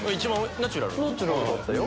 ナチュラルだったよ。